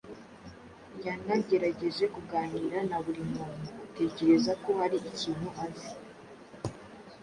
yanagerageje kuganira na buri muntu atekereza ko hari ikintu azi